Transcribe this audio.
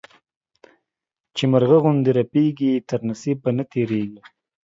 چي مرغه غوندي رپېږي، تر نصيب به نه تيرېږې.